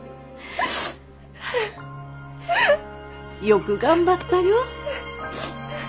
よく頑張ったよ。